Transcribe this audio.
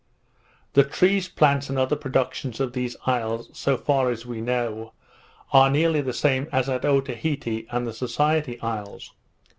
The trees, plants, and other productions of these isles, so far as we know, are nearly the same as at Otaheite and the Society Isles.